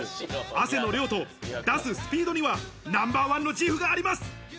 汗の量と出すスピードにはナンバーワンの自負があります。